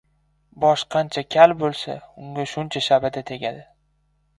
• Bosh qancha kal bo‘lsa, unga shuncha shabada tegadi.